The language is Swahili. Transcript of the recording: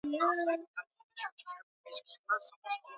Kazi yote iliisha jioni ya saa kumi na mbili Na saa kumi kamili yule